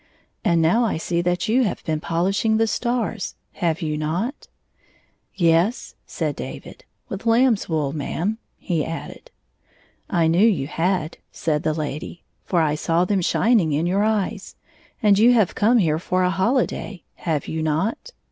" And now I see that you have been polishing the stars, have you not ?"" Yes," said David. " With lamb's wool, ma' am," he added. " I knew you had," said the lady, " for I saw them shining in your eyes. And you have come here for a hohday, have you not